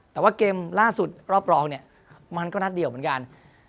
แต่ว่าเกมล่าสุดรอบรองเนี่ยมันก็นัดเดียวเหมือนกัน